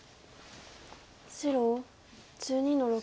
白１２の六トビ。